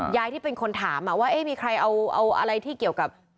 ที่เป็นคนถามว่าเอ๊ะมีใครเอาอะไรที่เกี่ยวกับ